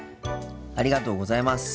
ありがとうございます。